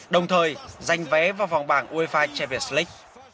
đồng thời giành vé vào vòng bảng uefa champions league